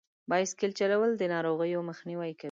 بایسکل چلول د ناروغیو مخنیوی کوي.